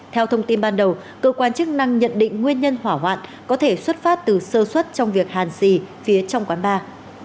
theo thông tin ban đầu cơ quan chức năng nhận định nguyên nhân hỏa hoạn có thể xuất phát từ sơ xuất trong việc hàn xì phía trong quán bar